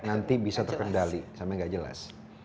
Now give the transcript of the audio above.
nanti bisa terkendali sampai nggak jelas